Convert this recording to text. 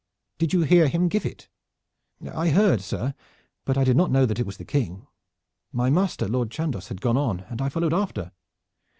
"Did you hear him give it?" "I heard, sir, but I did not know that it was the King. My master Lord Chandos had gone on, and I followed after."